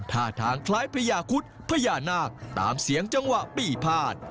ท่าทางคล้ายพญาคุดพญานาคตามเสียงจังหวะปีพาด